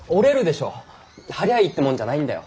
貼りゃあいいってもんじゃないんだよ。